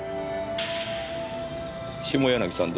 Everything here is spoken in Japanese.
下柳さん